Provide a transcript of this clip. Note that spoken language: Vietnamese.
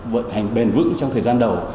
vận hành bền vững trong thời gian đầu